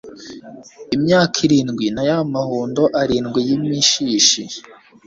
imyaka irindwi na ya mahundo arindwi y imishishi